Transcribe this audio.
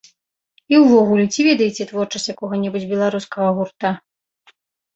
І ўвогуле, ці ведаеце творчасць якога-небудзь беларускага гурта?